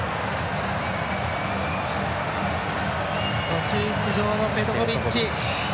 途中出場のペトコビッチ。